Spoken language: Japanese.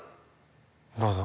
どうぞ。